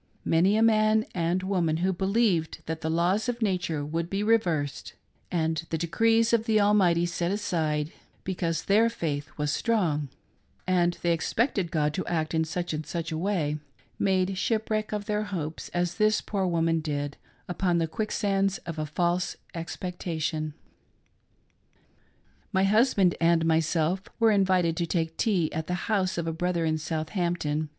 Many a man and woman who believed that the laws of nature would be reversed and the decrees of the Almighty set aside because their faith was strong and they " expected " God to act in such and such a way, made ship wreck of their hopes as this poor woman did, upon the quickr sands of a false expectation. My husband and myself were invited to take tea at the house of a brother in Southampton.